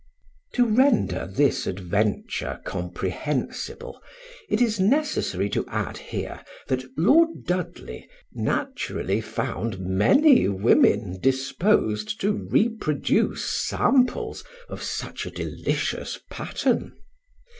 To render this adventure comprehensible, it is necessary to add here that Lord Dudley naturally found many women disposed to reproduce samples of such a delicious pattern.